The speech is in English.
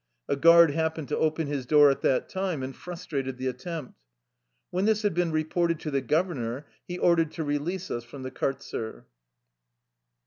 A guard happened to open his door at that time and frustrated the attempt. When this had been reported to the governor, he ordered to release us from the kartzer.